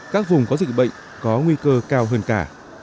các vùng có dịch bệnh có nguy cơ cao hơn cả